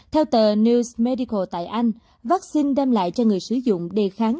theo tờ news medical tại anh vaccine đem lại cho người sử dụng đề kháng